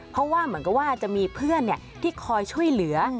เพราะว่าเหมือนกับว่าจะมีเพื่อนที่คอยช่วยเหลือ